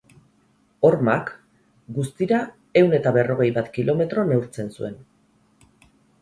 Hormak, guztira ehun eta berrogei bat kilometro neurtzen zuen.